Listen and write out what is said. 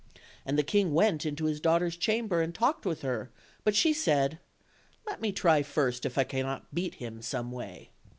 And the king went into his daughter's chamber and talked with her; but she said, "Let me try first if I cannot beat them Some way."